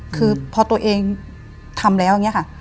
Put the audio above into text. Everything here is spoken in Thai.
คือพอตัวเองทำแล้วอย่างนี้ค่ะ